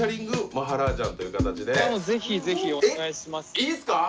いいんすか？